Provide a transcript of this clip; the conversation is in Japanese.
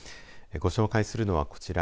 ご紹介するのは、こちら。